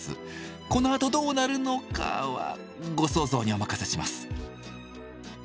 このあとどうなるのかはご想像にお任せします。